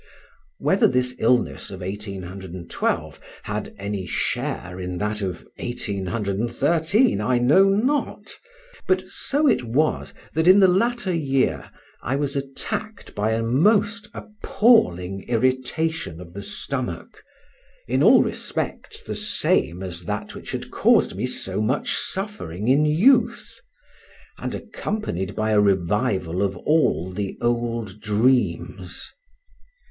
Whether this illness of 1812 had any share in that of 1813 I know not; but so it was, that in the latter year I was attacked by a most appalling irritation of the stomach, in all respects the same as that which had caused me so much suffering in youth, and accompanied by a revival of all the old dreams.